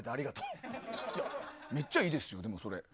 でもめっちゃいいですよ、それ。